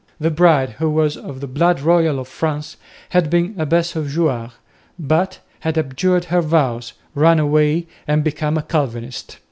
The bride, who was of the blood royal of France, had been Abbess of Jouarre, but had abjured her vows, run away and become a Calvinist.